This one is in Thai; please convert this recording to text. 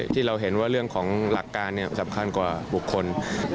ที่เราเห็นว่าเรื่องของหลักการสำคัญกว่าบุคคล